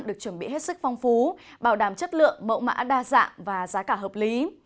được chuẩn bị hết sức phong phú bảo đảm chất lượng mẫu mã đa dạng và giá cả hợp lý